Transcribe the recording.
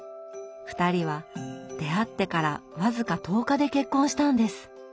２人は出会ってから僅か１０日で結婚したんです！